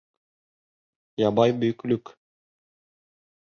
Ябай бөйөклөк